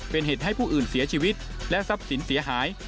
เป็นเหตุให้ผู้อื่นเสียชีวิตและทรัพย์สินเสียหาย